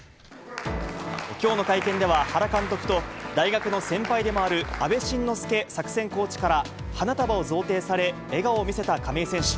きょうの会見では、原監督と、大学の先輩でもある阿部慎之助作戦コーチから花束を贈呈され、笑顔を見せた亀井選手。